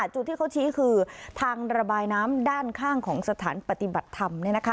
จุดที่เขาชี้คือทางระบายน้ำด้านข้างของสถานปฏิบัติธรรม